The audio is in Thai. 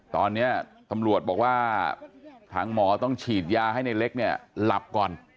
ตอนนี้ตำรวจบอกว่าทางหมอต้องฉีดยาให้ในเล็กเนี่ยหลับก่อน